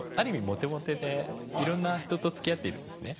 モテモテでいろんな人とつきあっているんですね。